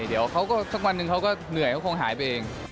เดี๋ยวเขาก็สักวันหนึ่งเขาก็เหนื่อยเขาคงหายไปเอง